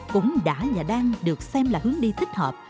cũng đã và đang được xem là hướng đi thích hợp